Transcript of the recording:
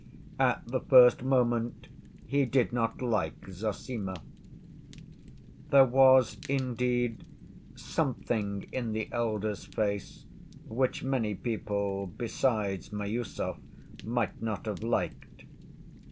At the first moment he did not like Zossima. There was, indeed, something in the elder's face which many people besides Miüsov might not have liked.